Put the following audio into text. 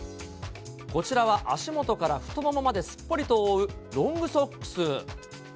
こちらは、足元から太ももまですっぽりと覆うロングソックス。